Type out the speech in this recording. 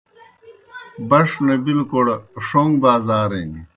بݜ نہ بِلوْکڑ ݜوݩگ بازارِن